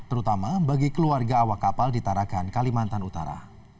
terutama bagi keluarga awak kapal di tarakan kalimantan utara